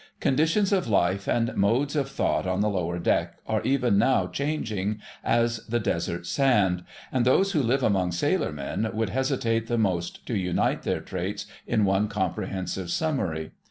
Conditions of life and modes of thought on the Lower Deck are even now changing as the desert sand, and those who live among sailor men would hesitate the most to unite their traits in one comprehensive summary.